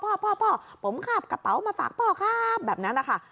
ก็แบบพ่อพ่อพ่อพ่อผมขาบกระเป๋ามาฝากพ่อครับแบบนั้นนะคะ